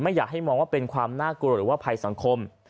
อยากให้มองว่าเป็นความน่ากลัวหรือว่าภัยสังคม